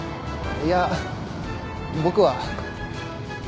いや僕は。